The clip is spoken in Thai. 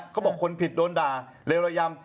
ก็บอกคนผิดโดนด่าเลวระยำ